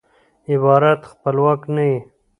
عبارت خپلواک نه يي.